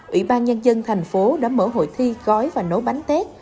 ủy ban nhân dân thành phố đã mở hội thi gói và nấu bánh tết